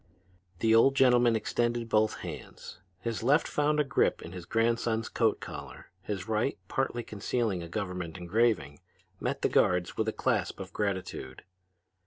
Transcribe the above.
The old gentleman extended both hands. His left found a grip in his grandson's coat collar; his right, partly concealing a government engraving, met the guard's with a clasp of gratitude.